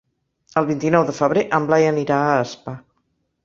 El vint-i-nou de febrer en Blai anirà a Aspa.